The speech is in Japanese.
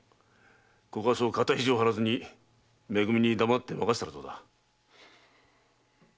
ここはそう肩肘を張らずにめ組に黙って任せたらどうだ。